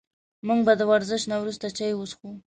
موږ به د ورزش نه وروسته چای وڅښو